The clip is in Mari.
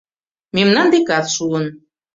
Мемнан декат шуын.